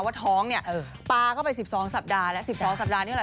ว่าท้องเนี่ยเออปาก็ไปสิบสองสัปดาห์แล้วสิบสองสัปดาห์นี่ก็แหละ